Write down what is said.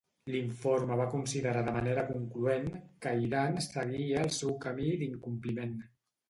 L'informe va considerar de manera concloent que Iran seguia el seu camí d'incompliment.